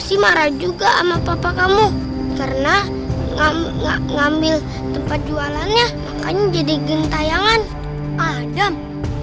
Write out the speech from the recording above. masih marah juga sama papa kamu karena ngambil tempat jualannya makanya jadi gintayangan adam